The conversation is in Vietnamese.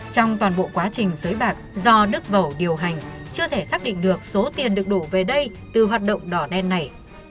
trong toàn bộ quá trình sới bạc do đức vẩu điều hành chưa thể xác định được số tiền được đổ về đây từ hoạt động đỏ đen này